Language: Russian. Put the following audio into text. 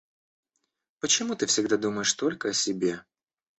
Почему ты всегда думаешь только о себе?